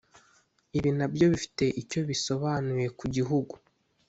Ibi nabyo bifite icyo bisobanuye ku gihugu